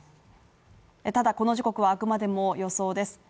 ただこの時刻はあくまでも予想です。